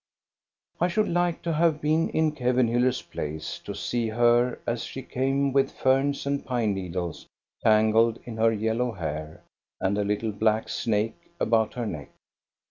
I should like to have been in Kevenhiiller's place, to see her as she came with ferns and pine needles tangled in her yellow hair and a little black snake about her neck.